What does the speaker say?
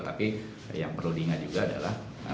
tapi yang perlu diingat juga adalah